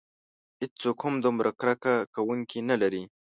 هیڅوک هم دومره کرکه کوونکي نه لري.